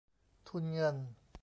ทุนเงิน